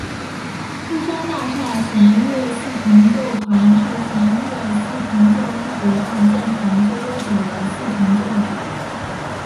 布商大厦弦乐四重奏团是弦乐四重奏历史上建团最悠久的四重奏组。